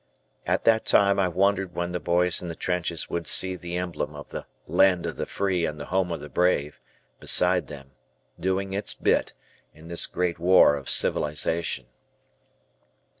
At that time I wondered when the boys in the trenches would see the emblem of the "land of the free and the home of the brave" beside them, doing its bit in this great war of civilization.